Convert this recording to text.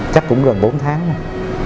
chắc cũng gần bốn tháng thôi